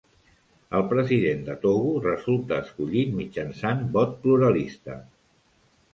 El president de Togo resulta escollit mitjançant vot pluralista.